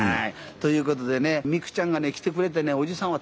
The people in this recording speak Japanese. ということでね美来ちゃんがね来てくれてねおじさんは助かりました。